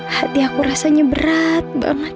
hati aku rasanya berat banget